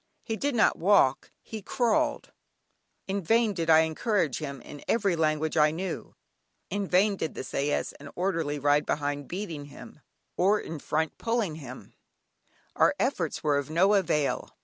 He did not walk, he crawled. In vain did I encourage him in every language I knew, in vain did the sais and orderly ride behind beating him, or in front pulling him, our efforts were of no avail.